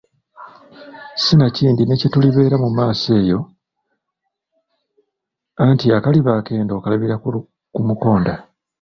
Sinakindi ne kye tulibeera mu maaso eyo, anti akaliba akendo okalabira ku mukonda.